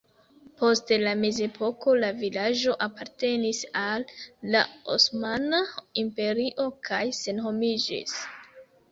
Post la mezepoko la vilaĝo apartenis al la Osmana Imperio kaj senhomiĝis.